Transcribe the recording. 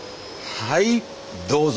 はいどうぞ。